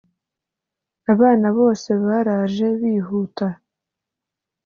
Abana bose baraje bihuta